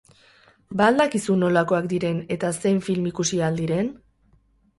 Ba al dakizu nolakoak diren eta zein film ikusi ahal diren?